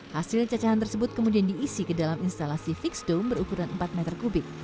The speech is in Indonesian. hasil cacahan tersebut kemudian diisi ke dalam instalasi fixed dome berukuran satu lima meter